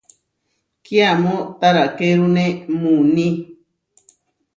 Kiamó tarakérune muuní.